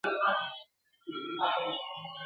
کله دومره بختور یم !.